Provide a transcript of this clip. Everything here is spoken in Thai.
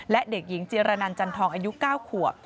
และเด็กหญิงจิรนันจันทองอายุ๙ขวบ